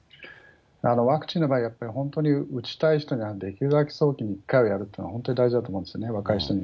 ワクチンの場合は、やっぱり打ちたい人ができるだけ早期に１回はやるっていうのは本当に大事だと思うんですね、若い人に。